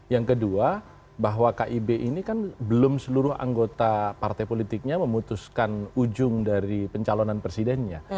yang kedua bahwa kib ini kan belum seluruh anggota partai politiknya memutuskan ujung dari pencalonan presidennya